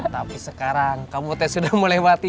tapi sekarang kamu teh sudah melewati